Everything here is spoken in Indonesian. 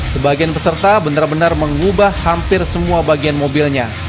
sebagian peserta benar benar mengubah hampir semua bagian mobilnya